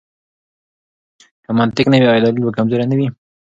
که منطق نه وي، آیا دلیل به کمزوری نه وي؟